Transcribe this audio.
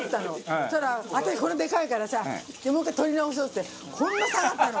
そしたら私こんなでかいからさもう１回撮り直そうってこんな下がったの。